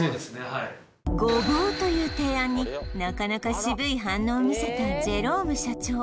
はいごぼうという提案になかなか渋い反応を見せたジェローム社長